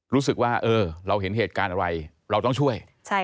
รู้สึกว่าเราเห็นเหตุการณ์อะไรเราต้องช่วย